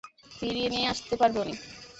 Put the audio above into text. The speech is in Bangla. ফিরিয়ে নিয়ে আসতে পারবে উনি?